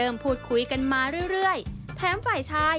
มาเรื่อยแถมฝ่ายชาย